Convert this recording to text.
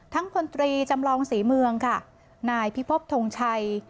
พลตรีจำลองศรีเมืองค่ะนายพิพบทงชัย